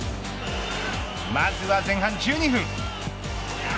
まずは前半１２分。